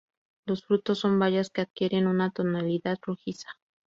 Los frutos son bayas que adquieren una tonalidad rojiza.